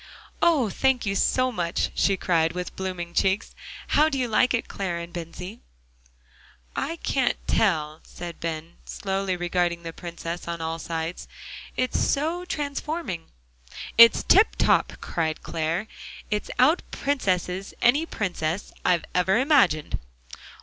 "Oh! thank you so much," she cried, with blooming cheeks. "How do you like it, Clare and Bensie?" "I can't tell," said Ben, slowly regarding the Princess on all sides; "it's so transforming." "It's tiptop!" cried Clare. "It out princesses any princess I've ever imagined."